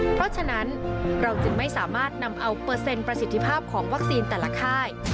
เพราะฉะนั้นเราจึงไม่สามารถนำเอาเปอร์เซ็นต์ประสิทธิภาพของวัคซีนแต่ละค่าย